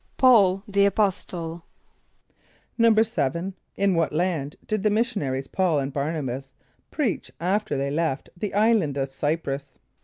=P[a:]ul, the apostle.= =7.= In what land did the missionaries, P[a:]ul and Bär´na b[)a]s, preach after they left the island of Çy´prus?